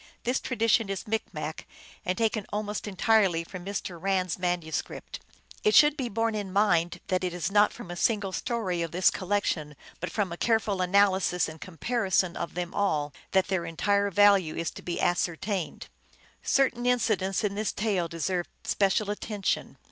This tradition is Micmac, and taken almost entirely from Mr. Rand s manuscript. It should be borne in mind that it is not from a single story of this collection, but from a careful analysis and comparison of them all, that their entire value is to be as certained. Certain incidents in this tale deserve special attention.